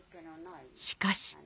しかし。